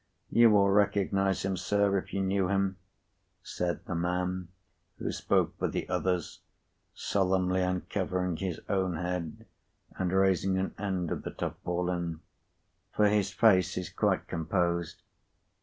"You will recognise him, sir, if you knew him," said the man who spoke for the others, solemnly uncovering his own head and raising an end of the tarpaulin, "for his face is quite composed."